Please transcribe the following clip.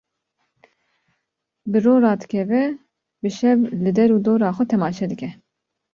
Bi ro radikeve bi şev li der û dora xwe temaşe dike.